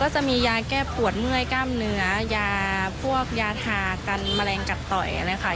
จะมียาแก้ปวดเมื่อยกล้ามเนื้อยาพวกยาทากันแมลงกัดต่อยอะไรค่ะ